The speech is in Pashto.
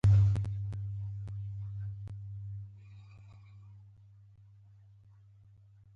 • هوښیار سړی تل مثبت فکر کوي.